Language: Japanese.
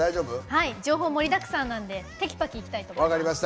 はい情報盛りだくさんなんでてきぱきいきたいと思います。